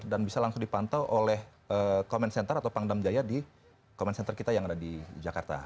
dan bisa langsung dipantau oleh comment center atau pangdam jaya di comment center kita yang ada di jakarta